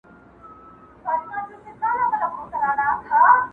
o پير نه الوزي، مريد ئې الوزوي٫